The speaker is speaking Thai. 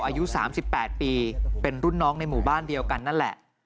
อายุ๓๘ปีเป็นรุ่นน้องในหมู่บ้านเดียวกันนั่นแหละ